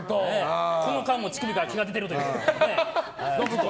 この間も乳首から毛が出てるという。